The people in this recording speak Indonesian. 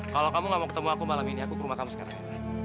kalau kamu gak mau ketemu aku malam ini aku ke rumah kamu sekarang